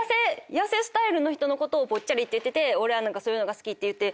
痩せスタイルの人のことをぽっちゃりって言ってて「俺はそういうのが好き」って言って。